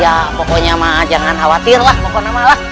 ya pokoknya emang jangan khawatir lah pokok nama lah